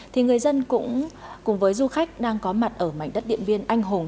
thì người dân cũng cùng với du khách đang có mặt ở mảnh đất điện biên anh hùng